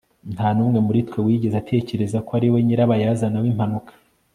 nta n'umwe muri twe wigeze atekereza ko ari we nyirabayazana w'impanuka